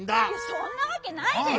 そんなわけないでしょ！